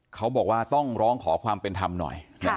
เขาบอกว่าต้องร้องขอความเป็นธรรมหน่อย